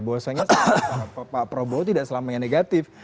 bahwasanya pak prabowo tidak selamanya negatif